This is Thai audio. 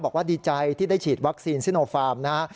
บอกว่าดีใจที่ได้ฉีดวัคซีนซิโนฟาร์มนะฮะ